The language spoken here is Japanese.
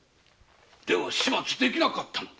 では始末できなかったので？